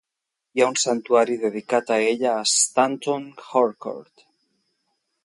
Hi ha un santuari dedicat a ella a Stanton Harcourt.